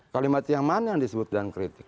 kalimat yang mana yang disebut dengan kritik